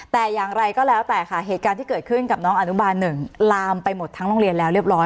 แต่อย่างไรก็แล้วแต่ค่ะเหตุการณ์ที่เกิดขึ้นกับน้องอนุบาลหนึ่งลามไปหมดทั้งโรงเรียนแล้วเรียบร้อย